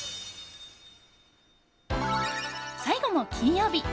最後も金曜日。